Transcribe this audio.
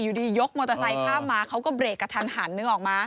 อยู่ดียกมอเตอร์ไซค์ข้ามมาเขาก็เบรกกระทันหันนึกออกมา